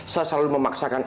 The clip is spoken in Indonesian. saya selalu memaksakan